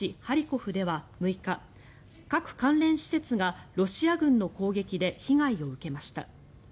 ハリコフでは６日核関連施設がロシア軍の攻撃で被害を受けました。